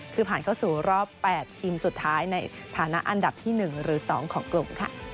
คือผ่านเข้าสู่รอบ๘ทีมสุดท้ายในฐานะอันดับที่๑หรือ๒ของกลุ่ม